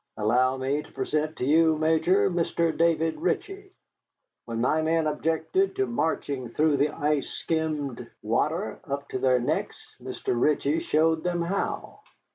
Allow me to present to you, Major, Mr. David Ritchie. When my men objected to marching through ice skimmed water up to their necks, Mr. Ritchie showed them how."